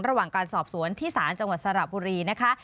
ระหว่างการสอบสวนที่ศาลจังหวัดสระบุรีนะคะ